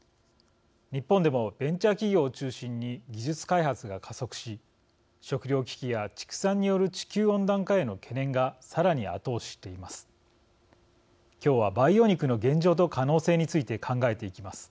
日本でもベンチャー企業を中心に技術開発が加速し食料危機や畜産による地球温暖化への懸念がさらに後押ししています。